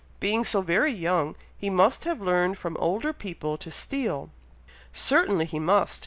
Being so very young, he must have learned from older people to steal." "Certainly he must!